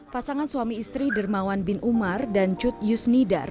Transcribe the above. pasangan suami istri dermawan bin umar dan cut yusnidar